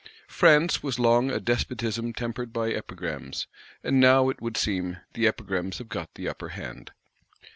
France was long a "Despotism tempered by Epigrams;" and now, it would seem, the Epigrams have get the upper hand.